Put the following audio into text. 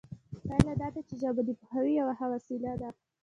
پایله دا ده چې ژبه د پوهاوي یوه ښه وسیله ده